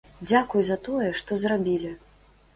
Дзякуй за тое, што зрабілі!